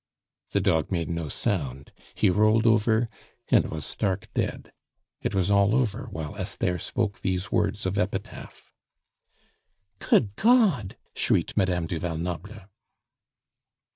The dog made no sound, he rolled over, and was stark dead. It was all over while Esther spoke these words of epitaph. "Good God!" shrieked Madame du Val Noble.